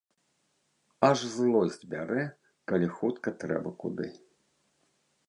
Аж злосць бярэ, калі хутка трэба куды.